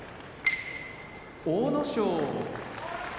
阿武咲